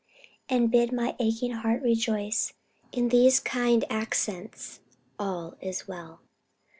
And bid my aching heart rejoice, In these kind accents '_All is well?